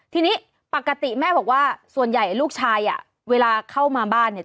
ทีนี้ปกติแม่บอกว่าส่วนใหญ่ลูกชายอ่ะเวลาเข้ามาบ้านเนี่ย